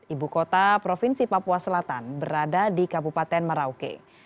ibu kota provinsi papua selatan berada di kabupaten merauke